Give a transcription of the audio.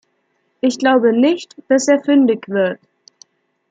Ich glaube nicht, dass er fündig wird.